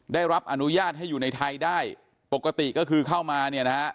ได้รับอนุญาตให้อยู่ในไทยได้ปกติก็คือเข้ามาเนี่ยนะฮะ